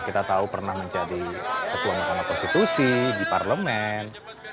kita tahu pernah menjadi ketua mahkamah konstitusi di parlemen